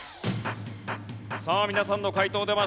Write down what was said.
さあ皆さんの解答出ました。